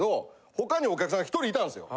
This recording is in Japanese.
他にお客さんが１人いたんですよ。